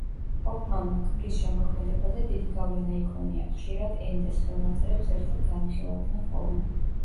ჰოფმანმა ქმრის შემოქმედებაზე დიდი გავლენა იქონია, ხშირად ენდეს ხელნაწერებს ერთად განიხილავდნენ ხოლმე.